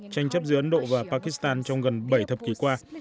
tranh chấp giữa ấn độ và pakistan trong gần bảy thập kỷ qua